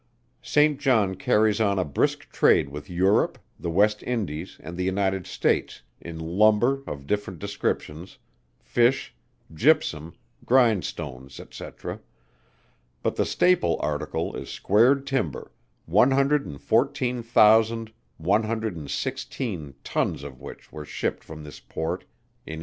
St. John carries on a brisk trade with Europe, the West Indies and the United States, in lumber of different descriptions, fish, gypsum, grindstones, &c. but the staple article is squared timber, one hundred and fourteen thousand one hundred and sixteen tons of which were shipped from this port in 1824.